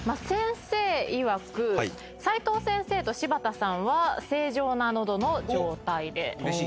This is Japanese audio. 先生いわく齋藤先生と柴田さんは正常な喉の状態で。